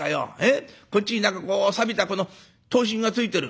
こっちに何かこうさびたこの刀身がついてる」。